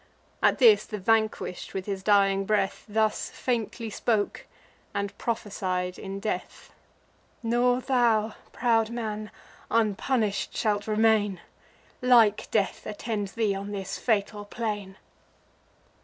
At this the vanquish'd, with his dying breath, Thus faintly spoke, and prophesied in death: "Nor thou, proud man, unpunish'd shalt remain: Like death attends thee on this fatal plain."